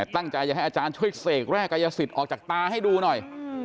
ตั้งใจจะให้อาจารย์ช่วยเสกแร่กายสิทธิ์ออกจากตาให้ดูหน่อย